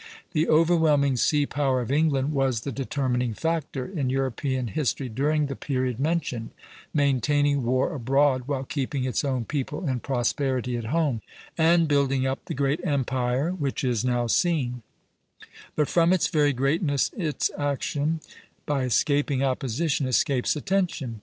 The overwhelming sea power of England was the determining factor in European history during the period mentioned, maintaining war abroad while keeping its own people in prosperity at home, and building up the great empire which is now seen; but from its very greatness its action, by escaping opposition, escapes attention.